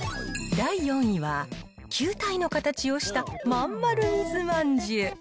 第４位は、球体の形をしたまんまる水まんじゅう。